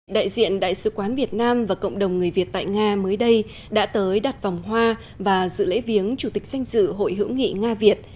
đại diện đại sứ quán việt nam và cộng đồng người việt tại nga mới đây đã tới đặt vòng hoa và dự lễ viếng chủ tịch danh dự hội hữu nghị nga việt